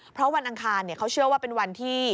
เพราะวันอังคารเขาเชื่อว่าเป็นวันที่